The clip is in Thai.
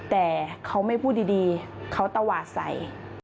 แต่เขาไม่พูดดีเขาตวาดใส่